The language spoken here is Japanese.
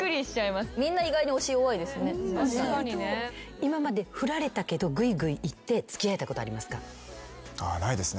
今まで振られたけどぐいぐいいって付き合えたことありますか？